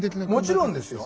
もちろんですよ。